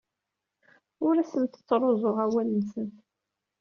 Ur asent-ttruẓuɣ awal-nsent.